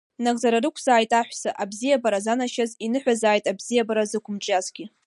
Нагӡара рықәзааит аҳәса, абзиабара занашьаз, иныҳәазааит абзиабара зықәымҿиазгьы!